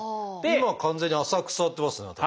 今完全に浅く座ってますね私ね。